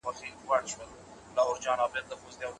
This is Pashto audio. هره ښځه چې زده کړه وکړي، راتلونکی نسل رهبري کوي.